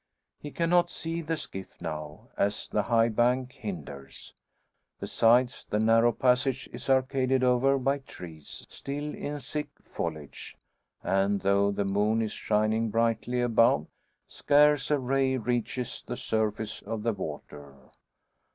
He cannot see the skiff now, as the high bank hinders. Besides, the narrow passage is arcaded over by trees still in thick foliage; and, though the moon is shining brightly above, scarce a ray reaches the surface of the water.